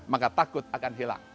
maka takut akan hilang